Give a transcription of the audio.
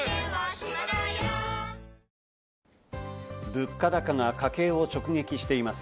物価高が家計を直撃しています。